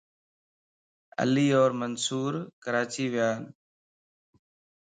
علي اور منصور ڪراچي ويان